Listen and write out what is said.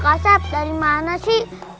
kakak sahab dari mana sih